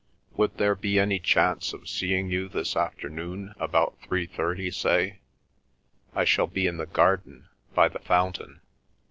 "Would there be any chance of seeing you this afternoon, about three thirty say? I shall be in the garden, by the fountain."